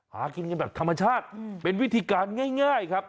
หากินกันแบบธรรมชาติเป็นวิธีการง่ายครับ